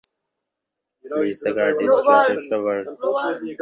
Lisa Curtis দ্রুত সভাস্থল ত্যাগ করেন।